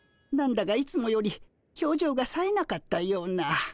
何だかいつもより表情がさえなかったような。